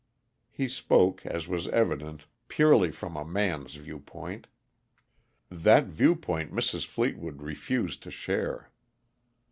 He spoke, as was evident, purely from a man's viewpoint. That viewpoint Mrs. Fleetwood refused to share.